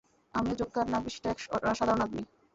আমিও চোখ, কান, নাক বিশিষ্ট এক সাধারণ আদমি।